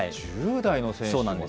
１０代の選